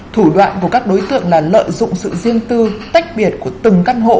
thủ đoạn của các đối tượng là lợi dụng sự riêng tư tách biệt của từng căn hộ